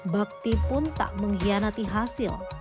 bakti pun tak mengkhianati hasil